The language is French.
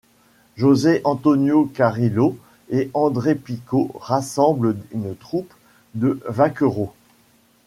José Antonio Carrillo et Andrés Pico rassemblent une troupe de Vaqueros.